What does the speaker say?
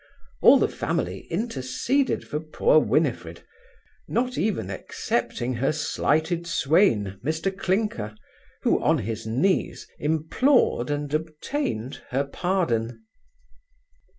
All the family interceded for poor Winifred, not even excepting her slighted swain, Mr Clinker, who, on his knees, implored and obtained her pardon.